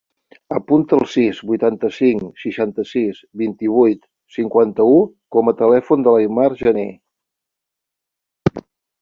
Apunta el sis, vuitanta-cinc, seixanta-sis, vint-i-vuit, cinquanta-u com a telèfon de l'Aimar Janer.